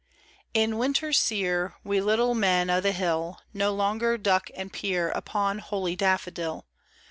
IN winter sere, We little men o' the hill No longer duck and peer Up holy daffodil.